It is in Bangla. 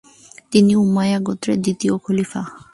তিনি উমাইয়া গোত্রের দ্বিতীয় খলিফা।